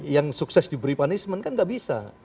yang sukses diberi punishment kan nggak bisa